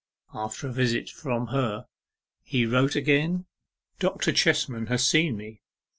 After a visit from her he wrote again: 'Dr. Chestman has seen me.